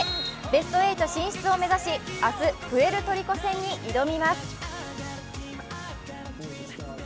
ベスト８進出を目指し、明日プエルトリコ戦に挑みます。